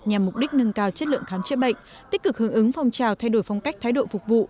nhằm mục đích nâng cao chất lượng khám chữa bệnh tích cực hướng ứng phong trào thay đổi phong cách thái độ phục vụ